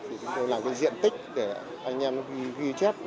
chúng tôi làm diện tích để anh em ghi chép